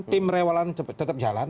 tim rewalan tetap jalan